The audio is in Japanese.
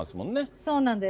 そうなんです。